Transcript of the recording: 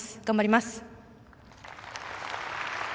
頑張ります！